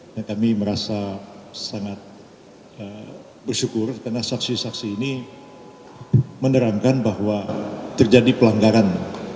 dan kami merasa sangat bersyukur karena saksi saksi ini menerangkan bahwa terjadi pelanggaran